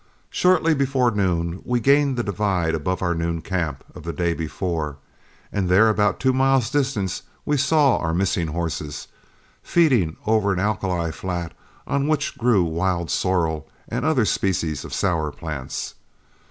Shortly before noon, as we gained the divide above our noon camp of the day before, there about two miles distant we saw our missing horses, feeding over an alkali flat on which grew wild sorrel and other species of sour plants.